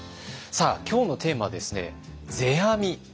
さあ今日のテーマはですね「世阿弥」。